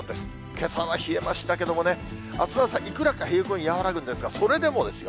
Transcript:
けさは冷えましたけどもね、あすの朝、いくらか冷え込み、和らぐんですが、それでもですよ、